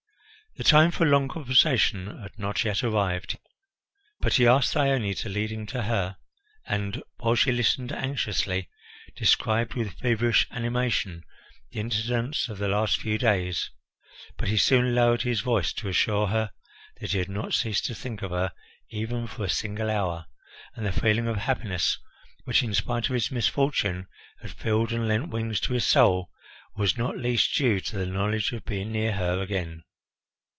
The time for a long conversation had not yet arrived, but he asked Thyone to lead him to her and, while she listened anxiously, described with feverish animation the incidents of the last few days. But he soon lowered his voice to assure her that he had not ceased to think of her even for a single hour, and the feeling of happiness which, in spite of his misfortune, had filled and lent wings to his soul, was not least due to the knowledge of being near her again.